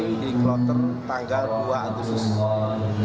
jadi kloter tanggal dua agustus